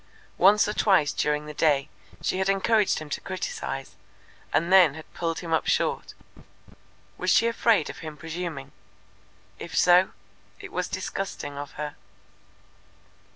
Once or twice during the day she had encouraged him to criticize, and then had pulled him up short. Was she afraid of him presuming? If so, it was disgusting of her.